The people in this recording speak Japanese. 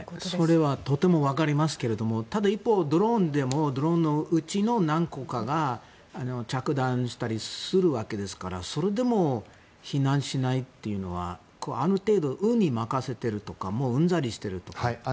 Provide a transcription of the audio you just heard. それはとても分かりますけれどもただ一方、ドローンでもドローンのうちの何個かが着弾したりするわけですからそれでも避難しないというのはある程度、運に任せてるとかうんざりしているとか。